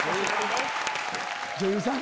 女優さん？